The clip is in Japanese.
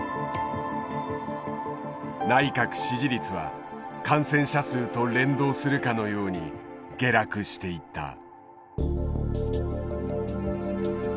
内閣支持率は感染者数と連動するかのように下落していった。